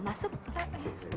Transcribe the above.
mau di ajak pak tristan